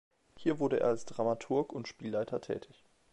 Hier war er als Dramaturg und Spielleiter tätig.